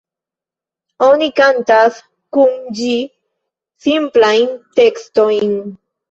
Oni kantas kun ĝi simplajn tekstojn.